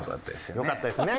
よかったですね。